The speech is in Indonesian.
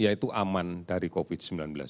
yaitu aman dari covid sembilan belas